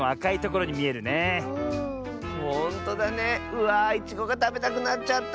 うわいちごがたべたくなっちゃった！